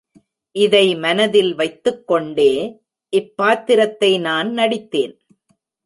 இதை மனத்தில் வைத்துக்கொண்டே இப் பாத்திரத்தை நான் நடித்தேன்.